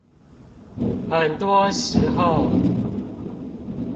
很多時候